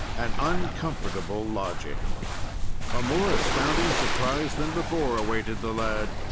AN UNCOMFORTABLE LODGING A more astounding surprise than before awaited the lad.